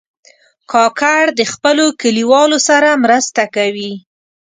کاکړ د خپلو کلیوالو سره مرسته کوي.